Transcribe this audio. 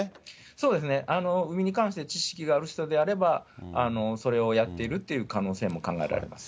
そうですね、海に関しての知識がある人であれば、それをやっているという可能性も考えられます。